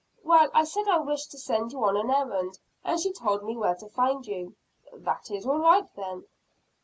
"Well, I said I wished to send you on an errand, and she told me where to find you." "That is all right then."